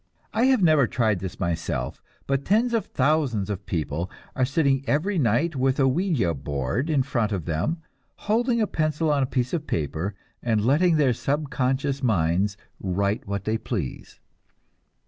I have never tried this myself, but tens of thousands of people are sitting every night with a "ouija" in front of them, holding a pencil on a piece of paper and letting their subconscious minds write what they please.